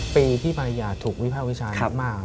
ปีที่ภรรยาถูกวิภาควิจารณ์มาก